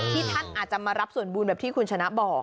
ที่ท่านอาจจะมารับส่วนบุญแบบที่คุณชนะบอก